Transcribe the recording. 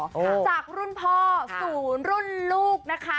จากรุ่นพ่อศูนย์รุ่นลูก